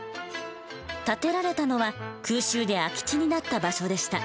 建てられたのは空襲で空き地になった場所でした。